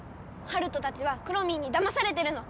ハルトたちはくろミンにだまされてるの！